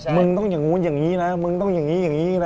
มึงต้องอย่างนู้นอย่างนี้นะมึงต้องอย่างนี้อย่างนี้นะ